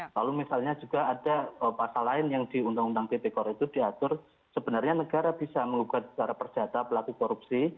lalu misalnya juga ada pasal lain yang di uu tv korps itu diatur sebenarnya negara bisa melakukan secara percata pelaku korupsi